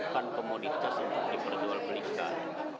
jadi kita harus diperjual belikan